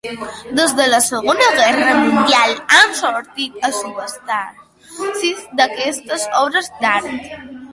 Des de la Segona Guerra Mundial han sortit a subhasta sis d'aquestes obres d'art.